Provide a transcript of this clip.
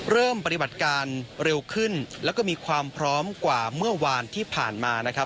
เริ่มปฏิบัติการเร็วขึ้นแล้วก็มีความพร้อมกว่าเมื่อวานที่ผ่านมานะครับ